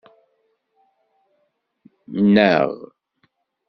Nnaɣ.